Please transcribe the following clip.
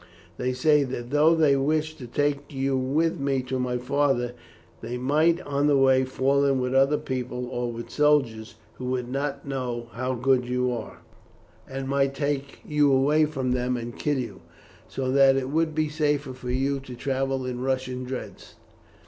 They say that though they wish to take you with me to my father, they might on the way fall in with other people or with soldiers, who would not know how good you are, and might take you away from them and kill you, so that it would be safer for you to travel in Russian dress.